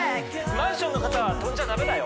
マンションの方は跳んじゃ駄目だよ